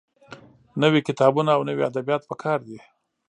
نوي کتابونه او نوي ادبيات پکار دي.